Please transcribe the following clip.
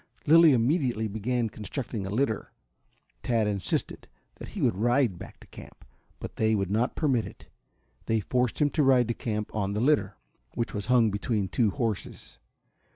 Lilly immediately began constructing a litter. Tad insisted that he would ride back to camp, but they would not permit it. They forced him to ride to camp on the litter, which was hung between two horses.